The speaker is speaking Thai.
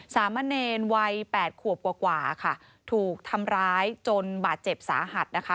สามะเนรวัยแปดขวบกว่ากว่าค่ะถูกทำร้ายจนบาดเจ็บสาหัสนะคะ